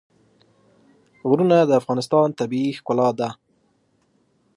غرونه د افغانستان طبیعي ښکلا ده.